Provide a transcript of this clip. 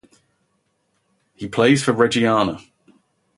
He plays for Reggiana.